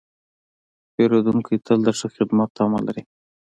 پیرودونکی تل د ښه خدمت تمه لري.